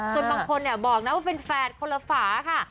บางคนบอกนะว่าเป็นแฝดคนละฝาค่ะ